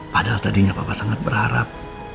padahal tadinya bapak sangat berharap